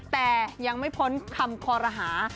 แต่ยังไม่พ้นคำคอรหา